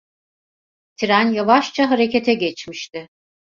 Tren yavaşça harekete geçmişti.